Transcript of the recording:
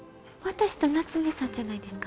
私と夏梅さんじゃないですか？